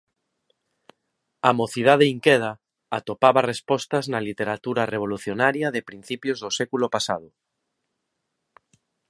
A mocidade inqueda atopaba respostas na literatura revolucionaria de principios do século pasado.